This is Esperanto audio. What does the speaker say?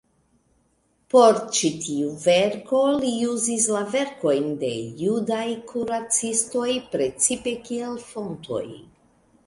Por ĉi tiu verko li uzis la verkojn de judaj kuracistoj precipe kiel fontojn.